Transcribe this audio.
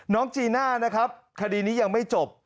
จีน่านะครับคดีนี้ยังไม่จบ